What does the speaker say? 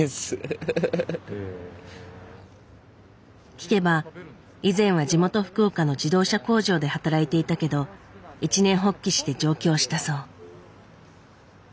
聞けば以前は地元福岡の自動車工場で働いていたけど一念発起して上京したそう。